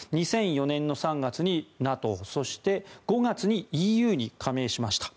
２００４年３月にＮＡＴＯそして５月にＥＵに加盟しました。